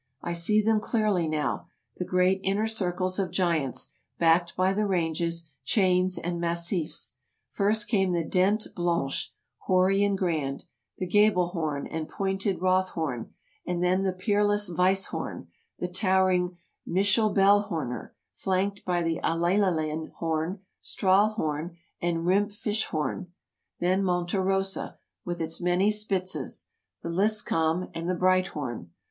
I see them clearly now — the great inner circles of giants, backed by the ranges, chains and massifs. First came the Dent Blanche, hoary and grand; the Gabelhorn and pointed Rothhorn, and then the peerless Weisshorn; the towering Mischabelhorner, flanked by the Allaleinhorn, Strahlhorn and Rimpfischhorn; then Monte Rosa — with its many Spitzes — the Lyskamm and the Breithorn.